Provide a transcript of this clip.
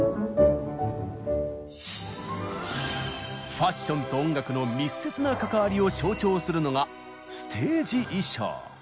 ファッションと音楽の密接な関わりを象徴するのがステージ衣装！